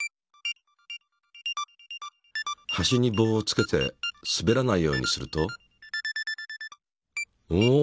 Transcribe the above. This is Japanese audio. はしに棒をつけてすべらないようにするとお！